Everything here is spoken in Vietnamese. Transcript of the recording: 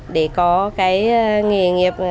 để có cái nghề nghiệp